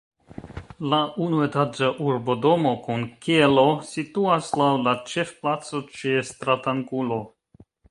La unuetaĝa urbodomo kun kelo situas laŭ la ĉefplaco ĉe stratangulo.